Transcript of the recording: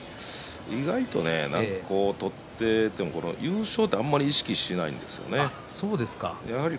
意外と優勝というのはあまり意識しないんですよね。